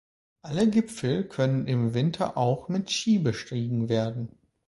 Alle Gipfel können im Winter auch mit Ski bestiegen werden.